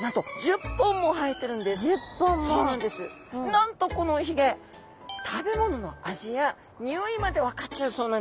なんとこのおヒゲ食べ物の味や匂いまで分かっちゃうそうなんです。